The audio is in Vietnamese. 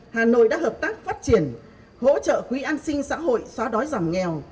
hà nội đã hợp tác phát triển hỗ trợ quý an sinh xã hội xóa đói giảm nghèo